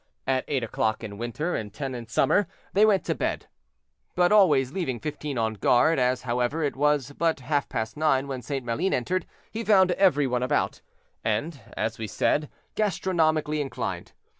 At eight o'clock in winter, and ten in summer, they went to bed; but always leaving fifteen on guard. As, however, it was but half past five when St. Maline entered, he found every one about, and, as we said, gastronomically inclined.